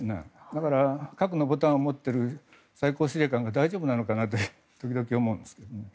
だから核のボタンを持っている最高司令官が大丈夫なのかなと時々思うんですが。